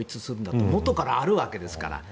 もとからあるわけですから。